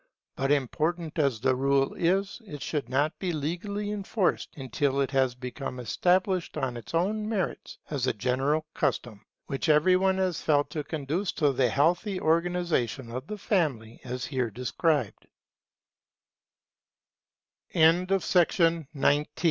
But, important as the rule is, it should not be legally enforced until it has become established on its own merits as a general custom, which every one has felt to conduce to the healthy organization of the Family as here desc